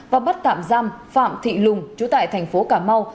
và bắt tạm giam phạm thị lùng chú tại thành phố cà mau